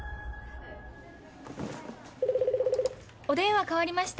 お電話代わりました。